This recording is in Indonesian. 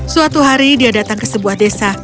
suatu hari dia datang ke sebuah desa